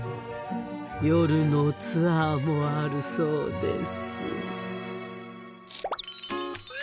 夜のツアーもあるそうです。